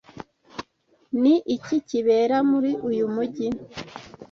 Ni iki kibera muri uyu mujyi?